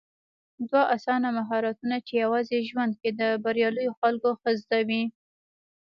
دوه اسانه مهارتونه چې يوازې ژوند کې د برياليو خلکو ښه زده دي